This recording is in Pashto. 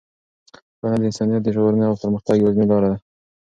پوهنه د انسانیت د ژغورنې او د پرمختګ یوازینۍ لاره ده.